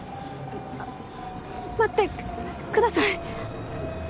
待ってください。